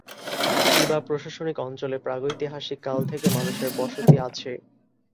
Chiba প্রশাসনিক অঞ্চলে প্রাগৈতিহাসিক কাল থেকে মানুষের বসতি আছে।